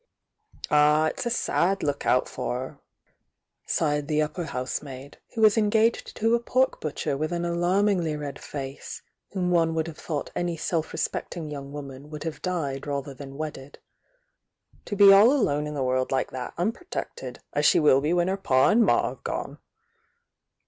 "Ah, it's a sad look out for 'eri" sighed the upper housemaid, who was engaged to a pork butcher witii ajri alarmmgly red face, whom one would have thought any self respecting young woman would have died rather than wedded. "To be all alone in the world like that, unpertected, as she will be when her pa and ma have gone!"